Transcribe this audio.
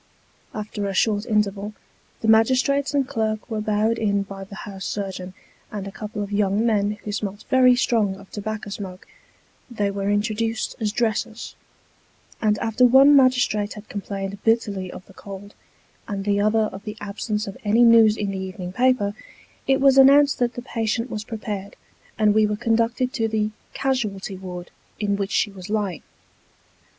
After a short interval, the magistrates and clerk were bowed in by the house surgeon and a couple of young men who smelt very strong of tobacco smoke they were introduced as " dressers " and after one magistrate had complained bitterly of the cold, and the other of the absence of any news in the evening paper, it was announced that the patient was prepared ; and we were conducted to the " casualty ward " in which she was lying.